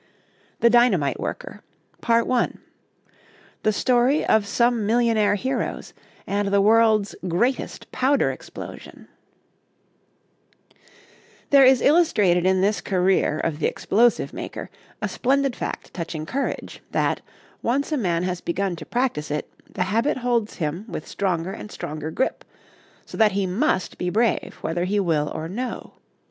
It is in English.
THE DYNAMITE WORKER I THE STORY OF SOME MILLIONAIRE HEROES AND THE WORLD'S GREATEST POWDER EXPLOSION THERE is illustrated in this career of the explosive maker a splendid fact touching courage, that, once a man has begun to practise it, the habit holds him with stronger and stronger grip, so that he must be brave whether he will or no.